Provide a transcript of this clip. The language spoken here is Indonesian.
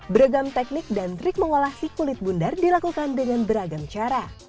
beragam teknik dan trik mengolah si kulit bundar dilakukan dengan beragam cara